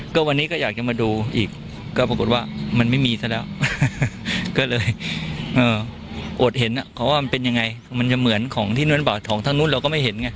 ก็วันนี้ก็อยากจะมาดูอีกก็ปรากฏว่ามันไม่มีซะแล้วก็เลยอดเห็นเขาว่ามันเป็นยังไงมันจะเหมือนของที่นู้นบาทของทางนู้นเราก็ไม่เห็นไง